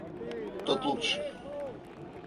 Тот лучше.